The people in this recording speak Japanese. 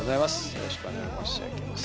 よろしくお願い申し上げます。